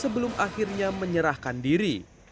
sebelum akhirnya menyerahkan diri